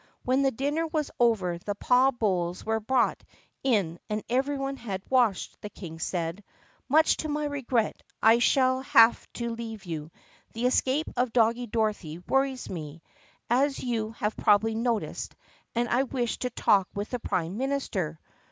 When the dinner was over and the paw bowls were brought in and every one had washed, the King said: "Much to my regret I shall have to leave you. The escape of Doggie Dorothy worries me, as you have probably noticed, and I wish to talk with the prime minister."